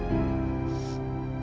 saya mau ke cihideng